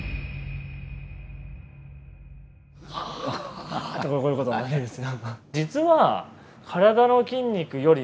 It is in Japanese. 「はっ」とこういうことになるんですよ。